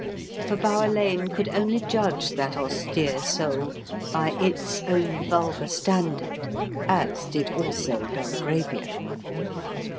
For Bower Lane could only judge that austere soul by its own vulgar standard (as did also Belgravia).